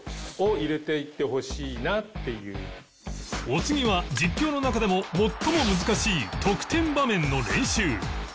お次は実況の中でも最も難しい得点場面の練習